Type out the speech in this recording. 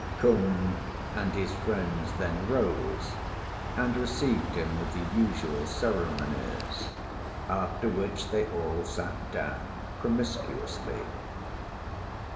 Kung and his friends then rose and received him with the usual ceremonies, after which they all sat down promiscuously.